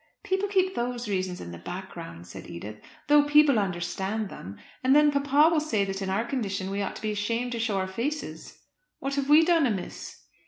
"People keep those reasons in the background," said Edith, "though people understand them. And then papa will say that in our condition we ought to be ashamed to show our faces." "What have we done amiss?"